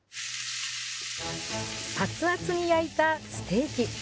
熱々に焼いたステーキ。